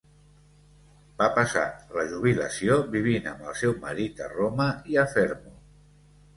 Va passar la jubilació vivint amb el seu marit a Roma i a Fermo.